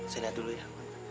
saya lihat dulu ya